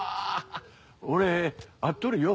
俺会っとるよ昔。